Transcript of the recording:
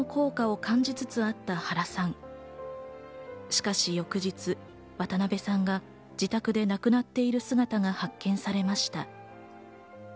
しかし翌日、渡辺さんが自宅で亡くなっている姿が発見されました。